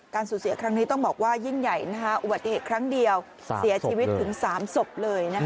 สูญเสียครั้งนี้ต้องบอกว่ายิ่งใหญ่อุบัติเหตุครั้งเดียวเสียชีวิตถึง๓ศพเลย